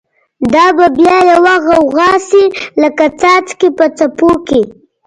دا به بیا یوه غوغاشی، لکه څاڅکی په څپو کی